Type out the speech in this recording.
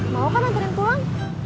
mau kan anterin pulang